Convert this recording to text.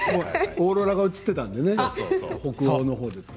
オーロラが映っていたので北欧のほうですか。